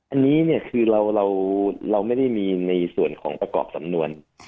อันนี้เนี่ยคือเราไม่ได้มีในส่วนของประกอบสำนวน